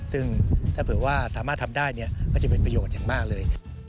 ซึ่งถ้าเผื่อว่าสามารถทำได้ก็จะเป็นประโยชน์อย่างมากเลย